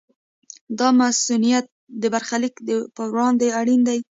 دا مصونیت د برخلیک پر وړاندې اړین دی.